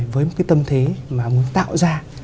với một cái tâm thế mà muốn tạo ra